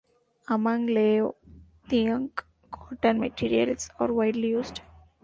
Among Lao Theung, cotton materials are widely used.